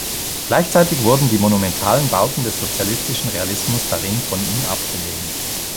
Gleichzeitig wurden die monumentalen Bauten des Sozialistischen Realismus darin von ihm abgelehnt.